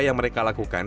yang mereka lakukan